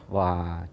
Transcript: và sau đó